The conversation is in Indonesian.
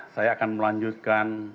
saya akan melanjutkan